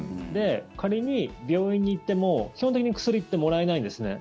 仮に病院に行っても基本的に薬ってもらえないんですね。